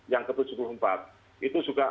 yang ke tujuh puluh empat itu juga